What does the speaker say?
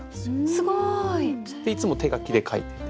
すごい！いつも手書きで書いてて。